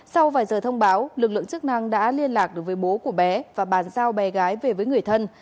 sau vài giờ thông báo lực lượng chức năng đã liên lạc được với bố của bé và bàn giao bé gái về với người thân